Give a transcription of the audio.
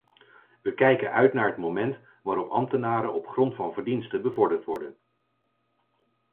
Wij kijken uit naar het moment waarop ambtenaren op grond van verdiensten bevorderd worden.